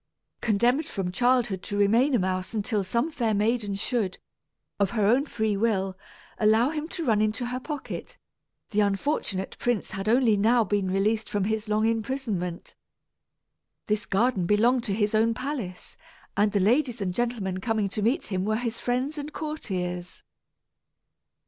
Condemned from childhood to remain a mouse until some fair maiden should, of her own free will, allow him to run into her pocket, the unfortunate prince had only now been released from his long imprisonment. This garden belonged to his own palace, and the ladies and gentlemen coming to meet him were his friends and courtiers.